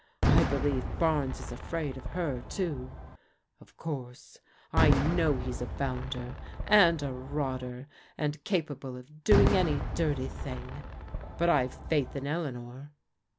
I believe Barnes is afraid of her, too. Of course, I know he's a bounder, and a rotter, and capable of do ing any dirty thing; but I've faith in Eleanor.'